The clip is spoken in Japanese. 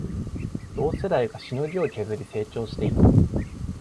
同世代がしのぎを削り成長していく